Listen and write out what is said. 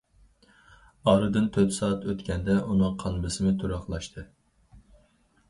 ئارىدىن تۆت سائەت ئۆتكەندە ئۇنىڭ قان بېسىمى تۇراقلاشتى.